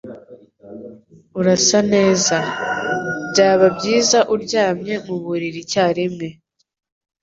Urasa neza. Byaba byiza uryamye mu buriri icyarimwe.